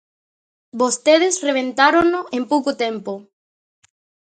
Vostedes rebentárono en pouco tempo.